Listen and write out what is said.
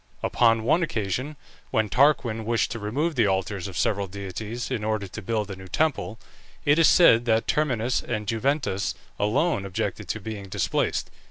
Upon one occasion, when Tarquin wished to remove the altars of several deities, in order to build a new temple, it is said that Terminus and Juventas alone objected to being displaced.